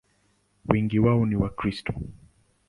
Wengi wao ni Wakristo.